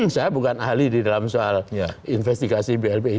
saya bukan ahli di dalam soal investigasi blpi